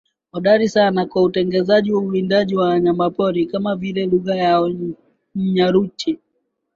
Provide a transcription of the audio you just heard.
hodari sana kwa utegaji na uwindaji wa wanyamapori kama vile kwa lugha yao nyhaluchi